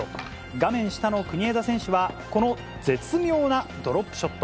画面下の国枝選手は、この絶妙なドロップショット。